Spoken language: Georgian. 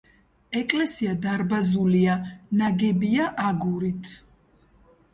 ეკლესია დარბაზულია, ნაგებია აგურით.